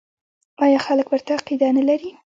آیا خلک ورته عقیده نلري؟